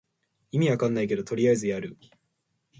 意味わかんないけどとりあえずやる